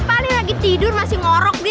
paling lagi tidur masih ngorok nih